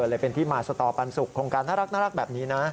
เลยเป็นที่มาสตอปันสุขโครงการน่ารักแบบนี้นะ